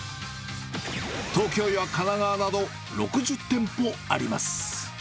東京や神奈川など６０店舗あります。